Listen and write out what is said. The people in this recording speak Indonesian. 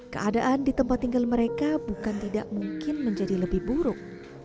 keadaan di tempat tinggal mereka bukan tidak mungkin menjadi lebih buruk